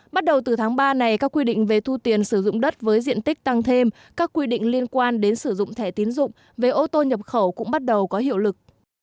bắt đầu từ tháng ba này các quy định về thu tiền sử dụng đất với diện tích tăng thêm các quy định liên quan đến sử dụng thẻ tiến dụng về ô tô nhập khẩu cũng bắt đầu có hiệu lực